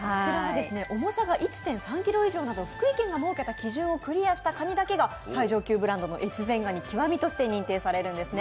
重さが１．３ｋｇ以上など福井県が設けた基準を超えたかにだけが最上級ブランドの越前がに極として認定されるんですね。